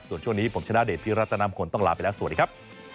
ส่วนช่วงนี้ผมชนะเดชพิรัตนามงคลต้องลาไปแล้วสวัสดีครับ